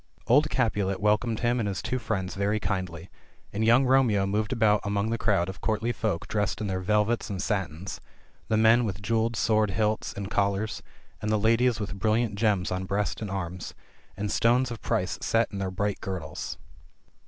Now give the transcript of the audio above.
Old Capulet welcomed him and his two friends very kindly — and young Romeo moved about among the crowd of courtly folk dressed in their velvets and satins, the men with jewelled sword hilts and col lars, and the ladies with brilliant gems on breast and arms, and stones of price set in their bright girdles.